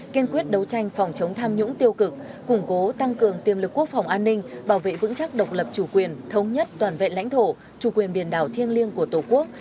kiên quyết đấu tranh phòng chống tham nhũng tiêu cực củng cố tăng cường tiềm lực quốc phòng an ninh bảo vệ vững chắc độc lập chủ quyền thống nhất toàn vẹn lãnh thổ chủ quyền biển đảo thiêng liêng của tổ quốc